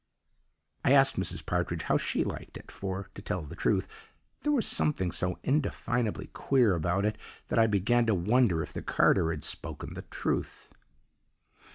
"I asked Mrs. Partridge how she liked it; for, to tell you the truth, there was something so indefinably queer about it that I began to wonder if the carter had spoken the truth.